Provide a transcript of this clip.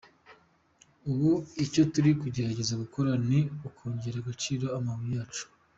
Ubu icyo turi kugerageza gukora ni ukongerera agaciro amabuye yacu.